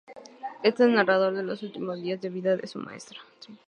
Es el narrador de los últimos días de vida de su maestro.